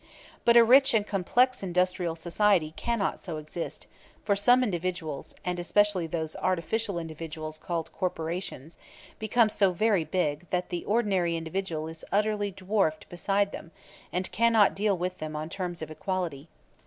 But a rich and complex industrial society cannot so exist; for some individuals, and especially those artificial individuals called corporations, become so very big that the ordinary individual is utterly dwarfed beside them, and cannot deal with them on terms of equality.